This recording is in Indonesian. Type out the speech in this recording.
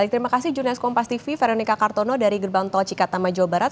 terima kasih jurnas kompas tv veronica kartono dari gerbang tol cikatama jawa barat